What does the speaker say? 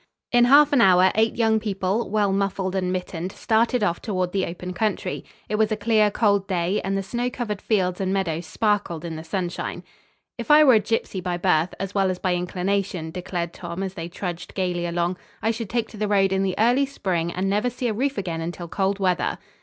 In half an hour eight young people, well muffled and mittened, started off toward the open country. It was a clear, cold day and the snow covered fields and meadows sparkled in the sunshine. "If I were a gypsy by birth, as well as by inclination," declared Tom, as they trudged gayly along, "I should take to the road in the early spring, and never see a roof again until cold weather."